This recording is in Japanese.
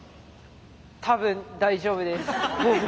多分大丈夫です。